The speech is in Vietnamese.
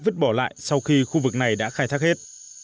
vứt bỏ lại sau khi khu vực này đã khai thác hết